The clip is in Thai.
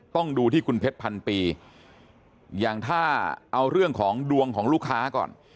ต้องดูที่คุณเพชรพันปีอย่างถ้าเอาเรื่องของดวงของลูกค้าก่อน